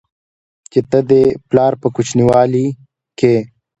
چې ته دې پلار په کوچينوالي کې